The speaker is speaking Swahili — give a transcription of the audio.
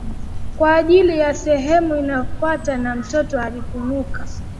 kwa ajili ya sehemu inayofuata ya mto uliopanuka